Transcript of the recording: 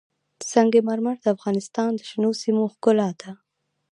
سنگ مرمر د افغانستان د شنو سیمو ښکلا ده.